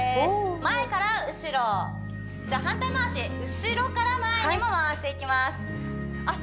前から後ろじゃあ後ろから前にも回していきますあっ